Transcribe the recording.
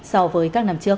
so với các năm trước